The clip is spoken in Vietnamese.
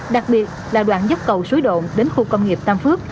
đặc biệt là đoạn dốc cầu suối đụn đến khu công nghiệp tam phước